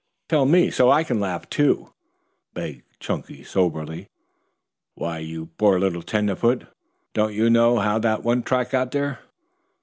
"Tell me so I can laugh too," begged Chunky soberly. "Why, you poor little tenderfoot, don't you know how that one track got there?"